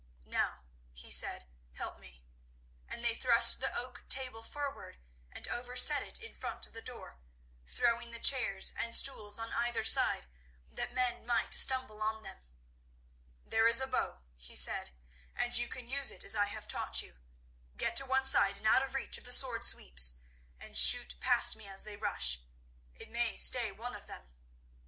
"Now," he said, "help me." And they thrust the oak table forward, and overset it in front of the door, throwing the chairs and stools on either side, that men might stumble on them. "There is a bow," he said, "and you can use it as I have taught you. Get to one side and out of reach of the sword sweeps, and shoot past me as they rush; it may stay one of them.